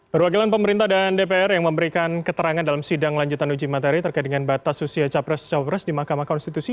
perwakilan pemerintah dan dpr yang memberikan keterangan dalam sidang lanjutan uji materi terkait dengan batas usia capres cawapres di mahkamah konstitusi